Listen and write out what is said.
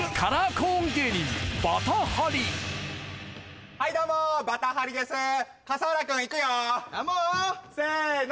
コーン芸人はいどうもバタハリですかさはらくんいくよせの！